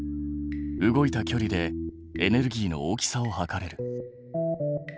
動いた距離でエネルギーの大きさを測れる。